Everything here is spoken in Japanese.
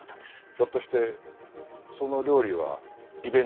ひょっとしてその料理はイベントのための？